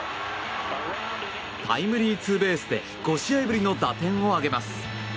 タイムリーツーベースで５試合ぶりの打点を挙げます。